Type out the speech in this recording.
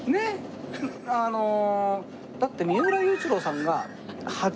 あのだって三浦雄一郎さんが。